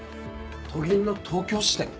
都銀の東京支店？